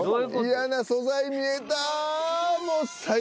嫌な素材見えた。